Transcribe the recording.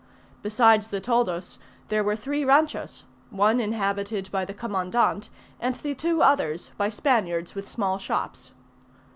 Besides the toldos, there were three ranchos; one inhabited by the Commandant, and the two others by Spaniards with small shops.